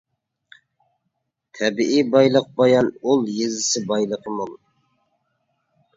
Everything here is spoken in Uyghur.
تەبىئىي بايلىقى بايان ئۇل يېزىسى بايلىقى مول.